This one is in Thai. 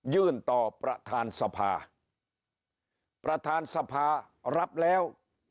ต่อประธานสภาประธานสภารับแล้ว